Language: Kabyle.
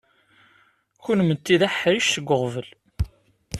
Kennemti d aḥric seg uɣbel.